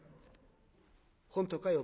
「本当かい？